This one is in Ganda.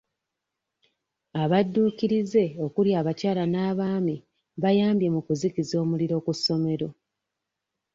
Abadduukirize okuli abakyala n'abaami bayambye mu kuzikiza omuliro ku ssomero.